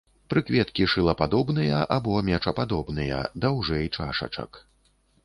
Прыкветкі шылападобныя або мечападобныя, даўжэй чашачак.